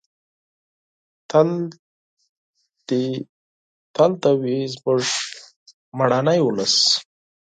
تل دې وي زموږ مېړنی ولس.